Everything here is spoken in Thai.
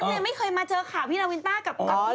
เลยไม่เคยมาเจอข่าวพี่นาวินต้ากับพี่